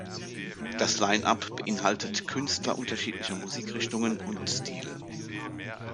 Das Line-Up beinhaltet Künstler unterschiedlicher Musikrichtungen und Stile.